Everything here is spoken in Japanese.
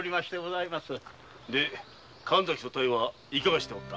神崎と妙はいかがしておった？